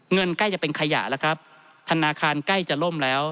เงินใกล้จะเป็นขยะแล้วครับธนาคารใกล้จะล่มแล้ว